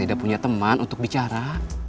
tidak punya teman untuk bicara